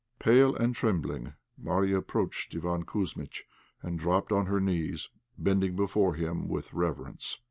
Pale and trembling, Marya approached Iván Kouzmitch and dropped on her knees, bending before him with reverence.